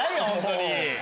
本当に。